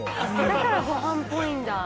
だからごはんっぽいんだ。